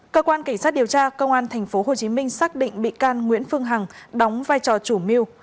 cơ quan cảnh sát điều tra công an tp hcm xác định bị can nguyễn phương hằng đóng vai trò chủ mưu